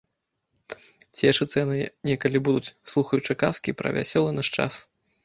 Цешыцца яны некалі будуць, слухаючы казкі пра вясёлы наш час.